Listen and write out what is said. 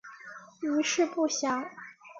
余事不详。